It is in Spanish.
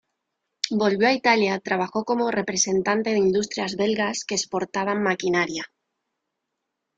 Volvió a Italia trabajó como representante de industrias belgas que exportaban maquinaria.